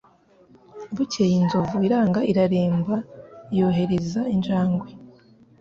Bukeye inzovu iranga iraremba yohereza injangwe